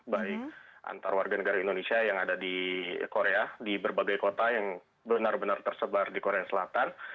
baik antar warga negara indonesia yang ada di korea di berbagai kota yang benar benar tersebar di korea selatan